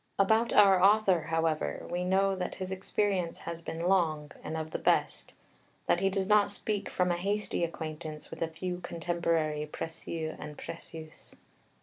About our author, however, we know that his experience has been long, and of the best, that he does not speak from a hasty acquaintance with a few contemporary précieux and précieuses.